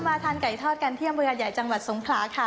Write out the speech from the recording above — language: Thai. มาทานไก่ทอดกันที่อำเภอหาดใหญ่จังหวัดสงขลาค่ะ